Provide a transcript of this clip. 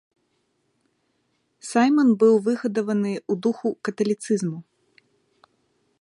Сайман быў выгадаваны ў духу каталіцызму.